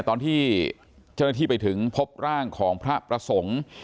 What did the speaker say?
ตอนที่เจ้าหน้าที่ไปถึงพบร่างของพระประสงค์